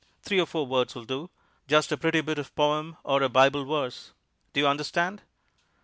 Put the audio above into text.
Three or four words will do, just a pretty bit of poem, or a Bible verse. Do you understand?"